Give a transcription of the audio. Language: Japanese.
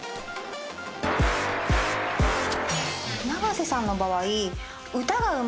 永瀬さんの場合。